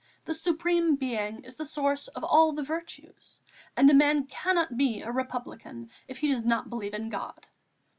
The Supreme Being is the source of all the virtues and a man cannot be a Republican if he does not believe in God.